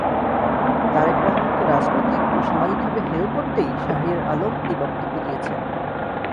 তারেক রহমানকে রাজনৈতিক ও সামাজিকভাবে হেয় করতেই শাহরিয়ার আলম এই বক্তব্য দিয়েছেন।